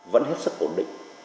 vẫn hết sức ổn định